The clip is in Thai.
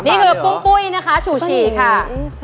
นี่คือปุ้งปุ้ยนะคะชูฉี่ค่ะ